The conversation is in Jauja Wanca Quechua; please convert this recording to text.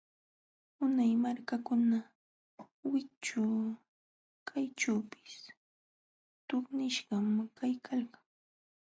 Unay malkakuna wikćhu kayćhuupis tuqnishqam kaykalkan.